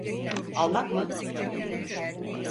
Almak mı?